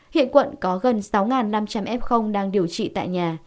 hiện quận có gần sáu năm trăm linh f đang điều trị tại nhà